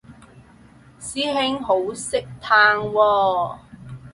師兄好識嘆喎